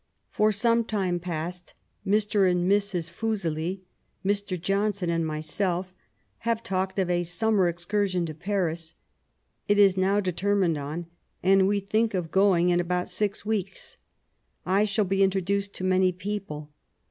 For some time past Mr. and Mrs. Fuseli, Mr. Johnson, and myself have talked of a summer excursion to Paris ; it is now determined on, and we think of going in about six weeks. I shall be introduced to many people.